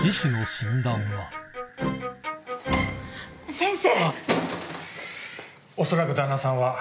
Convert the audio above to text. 先生！